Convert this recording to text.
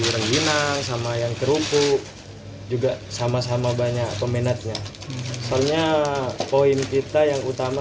renggina sama yang kerupuk juga sama sama banyak pemenatnya soalnya poin kita yang utama